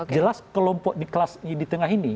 jelas kelompok di kelas di tengah ini